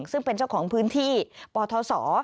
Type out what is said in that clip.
ซึ่งเป็นเจ้าของพื้นที่ปทศ